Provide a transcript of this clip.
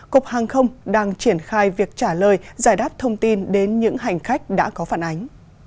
cục hàng không đang triển khai việc trả lời giải đáp thông tin đến những hành khách đã có phản ánh